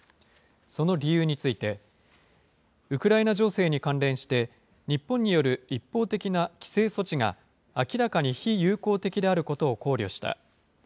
その理由について、ウクライナ情勢に関連して、日本による一方的な規制措置が明らかに非友好的であることを考慮した。